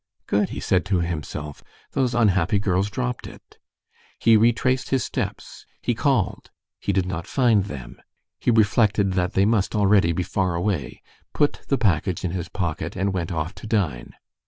"Good," he said to himself, "those unhappy girls dropped it." He retraced his steps, he called, he did not find them; he reflected that they must already be far away, put the package in his pocket, and went off to dine.